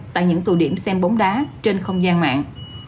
tại những tù điểm xem bóng đá trên không gian mạng